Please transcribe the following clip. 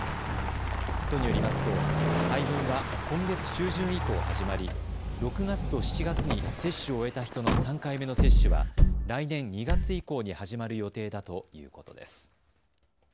都によりますと配分は今月中旬以降始まり６月と７月に接種を終えた人の３回目の接種は来年２月以降に始まる予定だということです。